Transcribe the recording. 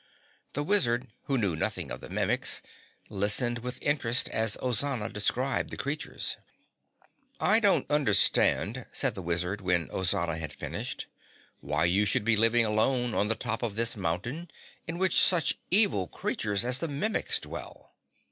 The Wizard, who knew nothing of the Mimics, listened with interest as Ozana described the creatures. "I don't understand," said the Wizard when Ozana had finished, "why you should be living alone on the top of this mountain in which such evil creatures as the Mimics dwell."